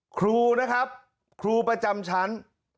ครูนะครับครูประจำชั้น